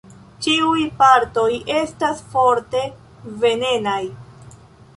Ĉiuj partoj estas forte venenaj.